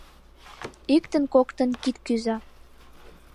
Иктын-коктын кид кӱза.